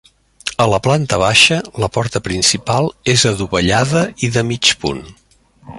A la planta baixa la porta principal és adovellada i de mig punt.